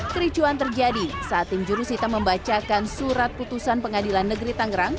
kericuan terjadi saat tim jurusita membacakan surat putusan pengadilan negeri tangerang